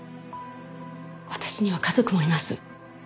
私には家族もいます。